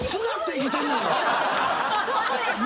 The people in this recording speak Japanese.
そうですよ